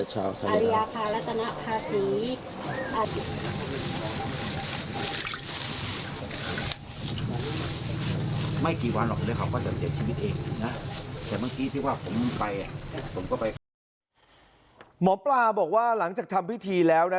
หมอปลาบอกว่าหลังจากทำพิธีแล้วนะ